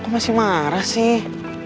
aku masih marah sih